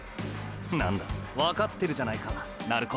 なんだわかってるじゃないか鳴子！！